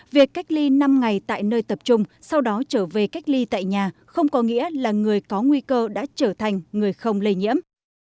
việc cách ly năm ngày tại nơi tập trung sau đó trở về cách ly tại nhà không có nghĩa là người có nguy cơ đã trở thành người không lây nhiễm